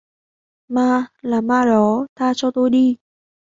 ma là ma đó tha cho tôi đi